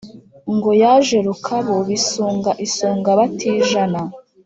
Ngo yaje Rukabu bisunga isonga batijana.